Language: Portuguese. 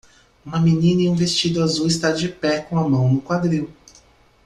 Uma menina em um vestido azul está de pé com a mão no quadril.